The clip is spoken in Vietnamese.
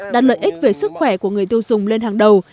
đặt lợi ích về sức khỏe của người tiêu dùng lên hàng đầu